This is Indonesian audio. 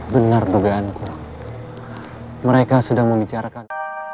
benar dugaanku mereka sedang membicarakan